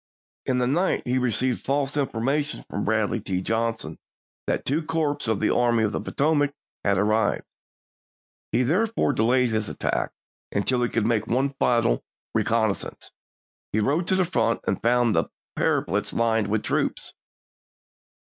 In the night he received false information from Bradley T. Johnson that two corps of the Army of the Potomac had arrived. He therefore delayed his attack until he could make one final reconnaissance ; he rode to the front, and found the parapets lined with troops.